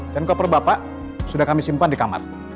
dan koper bapak sudah kami simpan di kamar